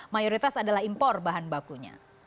mayoritas adalah impor bahan bakunya